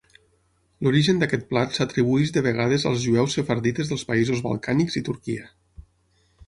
L'origen d'aquest plat s'atribueix de vegades als jueus sefardites dels països balcànics i Turquia.